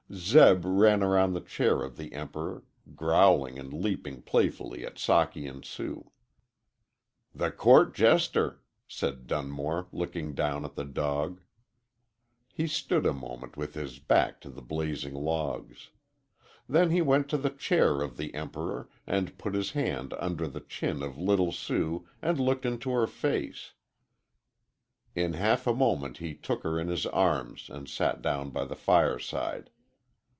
Zeb ran around the chair of the Emperor, growling and leaping playfully at Socky and Sue. "The court jester!" said Dunmore, looking down at the dog. He stood a moment with his back to the blazing logs. Then he went to the chair of the Emperor, and put his hand under the chin of little Sue and looked into her face. In half a moment he took her in his arms and sat down by the fireside.